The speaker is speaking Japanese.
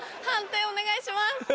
判定お願いします。